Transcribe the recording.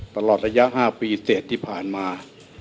ตลอดระยะ๕ปีเสร็จที่ผ่านมา